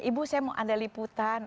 ibu saya mau ada liputan